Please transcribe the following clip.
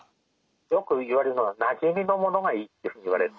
よくいわれるのはなじみのものがいいというふうにいわれる。